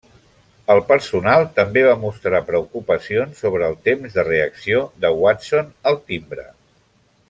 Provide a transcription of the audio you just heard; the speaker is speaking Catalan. El personal també va mostrar preocupacions sobre el temps de reacció de Watson al timbre.